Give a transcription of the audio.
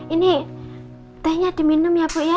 ini tehnya diminum ya bu ya